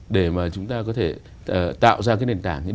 để mà chúng ta có thể tạo ra cái nền tảng